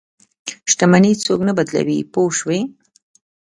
شتمني څوک نه بدلوي پوه شوې!.